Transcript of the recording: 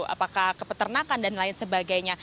apakah ke peternakan dan lain sebagainya